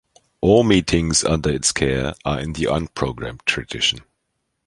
All meetings under its care are in the unprogrammed tradition.